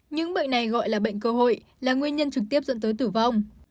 những bệnh này gọi là bệnh cơ hội là nguyên nhân trực tiếp dẫn tới tử vong